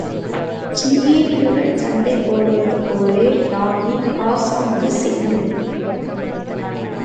கீரியுடன் சண்டை போடுவதுபோல ராகி பாசாங்கு செய்யும்.